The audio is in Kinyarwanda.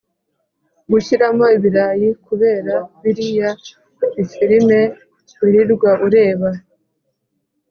gushyiramo ibirayi kubera biriya bifirime wirirwa ureba,